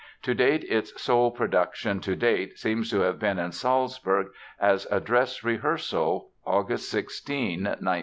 To date its sole production to date seems to have been in Salzburg, as a "dress rehearsal", August 16, 1944.